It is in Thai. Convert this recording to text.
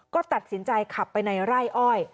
ก็ตัดสินใจขับไปในไร่อ้อย